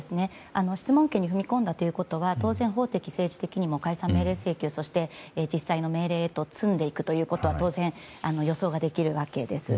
質問権に踏み込んだということは当然、法的・政治的にも解散命令請求そして、実際の命令へと積んでいくということは当然、予想ができます。